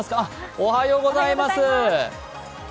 おはようございます。